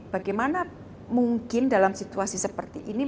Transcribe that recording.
bagaimana mungkin dalam situasi seperti ini